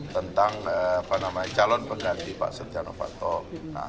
tentang calon pengganti pak setia novanto